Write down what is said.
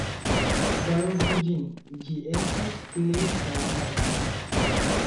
Gardu ĝin, ĝi estas plej kara al mi!